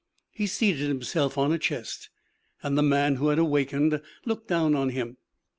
He seated himself on a chest, and the man who had awakened looked down on him.